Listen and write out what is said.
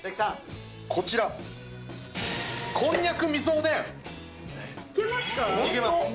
こちら、こんにゃくみそおでいけますか？